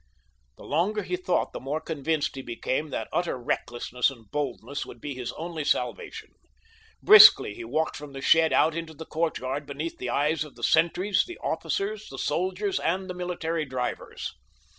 The longer he thought the more convinced he became that utter recklessness and boldness would be his only salvation. Briskly he walked from the shed out into the courtyard beneath the eyes of the sentries, the officers, the soldiers, and the military drivers.